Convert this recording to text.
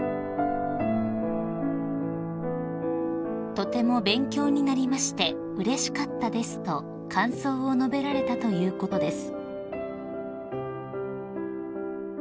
［「とても勉強になりましてうれしかったです」と感想を述べられたということです］